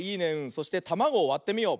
そしてたまごをわってみよう。